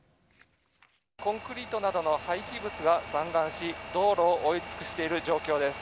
コンクリートなどの廃棄物が散乱し道路を覆い尽くしている状況です。